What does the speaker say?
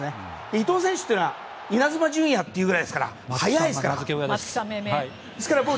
伊東選手はイナズマ純也というくらいですから速いですから。